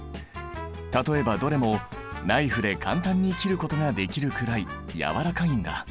例えばどれもナイフで簡単に切ることができるくらい軟らかいんだ。